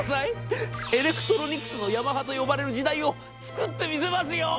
エレクトロニクスのヤマハと呼ばれる時代を作ってみせますよ！』。